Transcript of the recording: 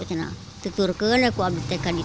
itu turun ke sini aku ambil tekan itu